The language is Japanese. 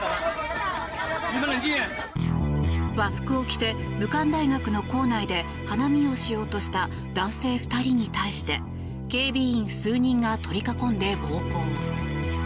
和服を着て、武漢大学の校内で花見をしようとした男性２人に対して警備員数人が取り囲んで暴行。